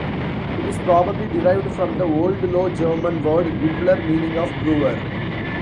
It is probably derived from the Old Low German word "gibbler", meaning brewer.